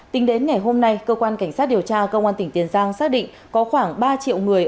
tính đến ngày hôm nay cơ quan cảnh sát điều tra công an tỉnh tiền giang xác định có khoảng ba triệu người